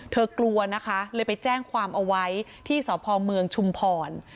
กลัวนะคะเลยไปแจ้งความเอาไว้ที่สพเมืองชุมพร